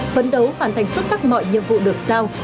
phấn đấu hoàn thành xuất sắc mọi nhiệm vụ được giao